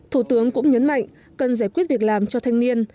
thủ tướng cũng nhấn mạnh cần giải quyết việc làm cho thanh niên